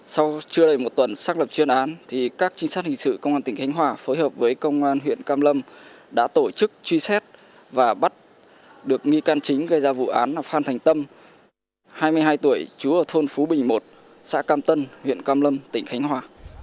sau chưa đầy một tuần xác lập chuyên án thì các trinh sát hình sự công an tỉnh khánh hòa phối hợp với công an huyện cam lâm đã tổ chức truy xét và bắt được nghi can chính gây ra vụ án là phan thành tâm hai mươi hai tuổi chú ở thôn phú bình một xã cam tân huyện cam lâm tỉnh khánh hòa